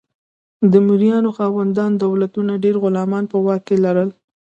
د مرئیانو خاوندان دولتونه ډیر غلامان په واک کې لرل.